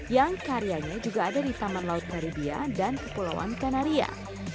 yang karyanya juga ada di taman laut naribia dan kepulauan kanaria